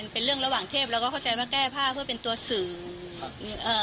เป็นเรื่องระหว่างเทพเราก็เข้าใจว่าแก้ผ้าเพื่อเป็นตัวสื่อแบบเอ่อ